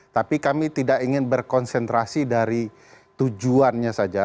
tapi kami tidak ingin berkonsentrasi dari tujuannya saja